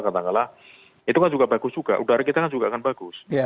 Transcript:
kata kata itu kan juga bagus juga udara kita juga kan bagus